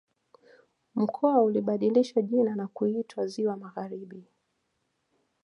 Mkoa ulibadilishwa jina na kuitwa Ziwa Magharibi